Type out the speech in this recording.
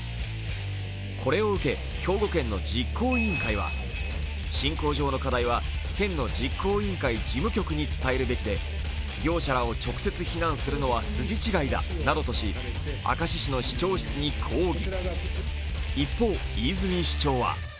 これを受け、兵庫県の実行委員会は進行上の課題は県の実行委員会事務局に伝えるべきで、業者らを直接非難するのは筋違いだなどとし明石市の市長室に抗議。